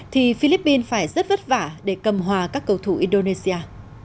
thì philippines phải rất vất vả để cầm hòa các cầu thủ indonesia